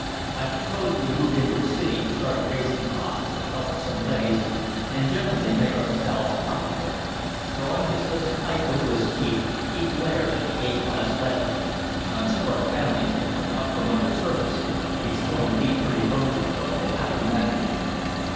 I propose we move into a city, start raising crops with the help of some leadys, and generally make ourselves comfortable." Drawing his lips tight over his teeth, he glared at the A class leady. "Until our families can come up from undersurface, it's going to be pretty lonesome, but we'll have to manage."